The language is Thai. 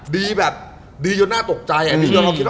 ดีแบบดีโยนหน้าตกใจ